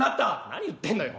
「何言ってんのよ